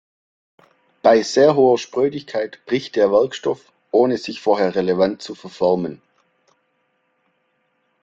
Bei sehr hoher Sprödigkeit bricht der Werkstoff, ohne sich vorher relevant zu verformen.